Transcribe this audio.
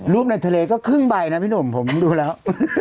ในทะเลก็ครึ่งใบนะพี่หนุ่มผมดูแล้ว